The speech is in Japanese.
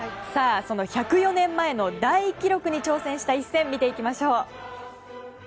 その１０４年前の大記録に挑戦した一戦、見ていきましょう！